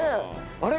あれ？